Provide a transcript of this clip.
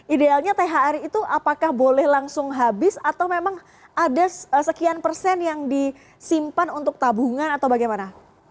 idealnya thr itu apakah boleh langsung habis atau memang ada sekian persen yang disimpan untuk tabungan atau bagaimana